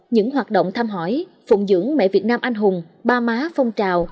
những hoạt động thăm hỏi phụng dưỡng mẹ việt nam anh hùng ba má phong trào